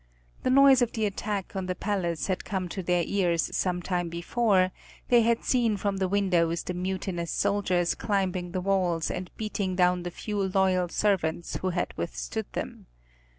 The noise of the attack on the palace had come to their ears some time before; they had seen from the windows the mutinous soldiers climbing the walls and beating down the few loyal servants who had withstood them.